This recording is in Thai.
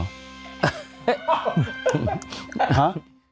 ฮ่า